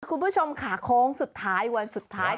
คุณผู้ชมค่ะโค้งสุดท้ายวันสุดท้าย